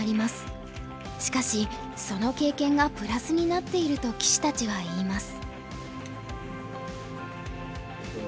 しかしその経験がプラスになっていると棋士たちは言います。